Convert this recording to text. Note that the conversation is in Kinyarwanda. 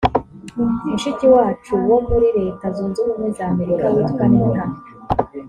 mushiki wacu wo muri leta zunze ubumwe za amerika witwa anita